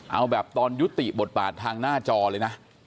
เอาแบบตอนยุติบทบาททางหน้าจอเลยนะ